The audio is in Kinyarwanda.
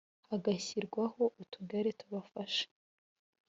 hagashyirwaho utugare tubafasha